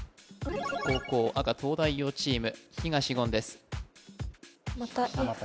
後攻赤東大王チーム東言です